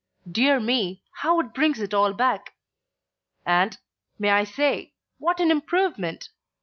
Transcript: Dear me, how it brings it all back. And may I say what an improvement.